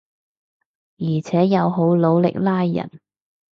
而且又好努力拉人